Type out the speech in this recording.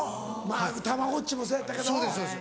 まぁ『たまごっち』もそうやったけどうん。